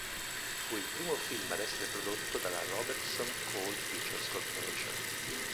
Fu il primo film ad essere prodotto dalla Robertson-Cole Pictures Corporation.